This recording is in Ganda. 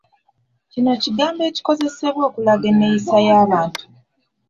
Kino kigambo ekikozesebwa okulaga enneeyisa y'abantu.